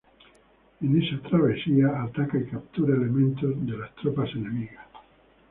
En esa travesía, ataca y captura elementos de las tropas enemigas.